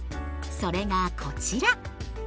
それがこちら！